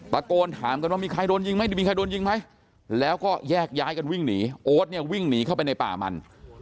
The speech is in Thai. ตะโกนถามกันว่ามีใครโดนยิงไหมมีใครโดนยิงไหมแล้วก็แยกย้ายกันวิ่งหนีโอ๊ตเนี่ยวิ่งหนีเข้าไปในป่ามัน